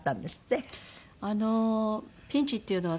あのピンチっていうのはその。